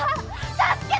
助けて！